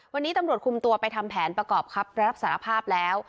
วันนี้ตำรวจคุมตัวไปทำแผนประกอบคำรับสารภาพแล้ว